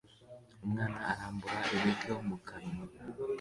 umwana arambura ibiryo mu kanwa